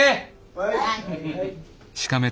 はい。